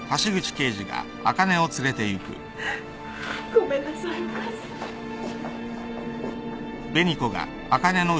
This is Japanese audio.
ごめんなさいお母さん。